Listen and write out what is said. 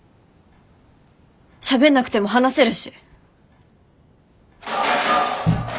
しゃべんなくても話せるし。